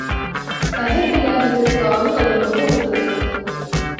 Ә һеҙ беләһегеҙ, Кааның оҙонлоғо — утыҙ фут.